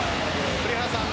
栗原さん